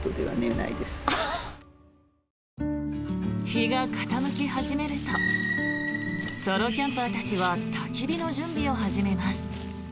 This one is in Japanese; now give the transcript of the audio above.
日が傾き始めるとソロキャンパーたちはたき火の準備を始めます。